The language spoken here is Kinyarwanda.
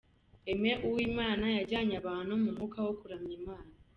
Aime Uwimana yajyanye abantu mu mwuka wo kuramya Imana.